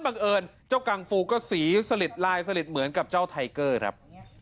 บังเอิญเจ้ากังฟูก็สีสลิดลายสลิดเหมือนกับเจ้าไทเกอร์ครับ